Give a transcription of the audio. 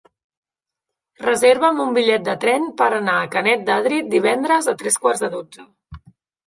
Reserva'm un bitllet de tren per anar a Canet d'Adri divendres a tres quarts de dotze.